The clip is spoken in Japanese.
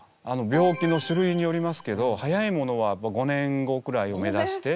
病気の種類によりますけど早いものは５年後くらいを目指して。